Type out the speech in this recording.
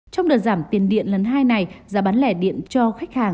trong đợt giảm tiền điện lần hai này giá bán lẻ điện cho khách hàng